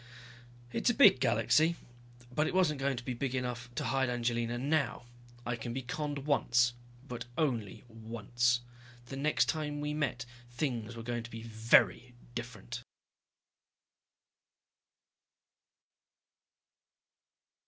It's a big galaxy, but it wasn't going to be big enough to hide Angelina now. I can be conned once but only once. The next time we met things were going to be very different.